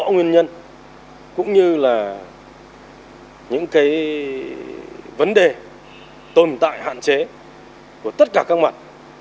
nguyên nhân cũng như là những cái vấn đề tồn tại hạn chế của tất cả các mặt